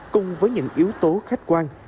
cùng với những yếu tố khách quan